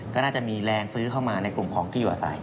ก็น่าจะมีแรงซื้อเข้ามาในกลุ่มของที่อยู่อาศัย